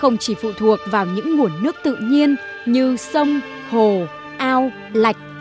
đà lạt chỉ phụ thuộc vào những nguồn nước tự nhiên như sông hồ ao lạch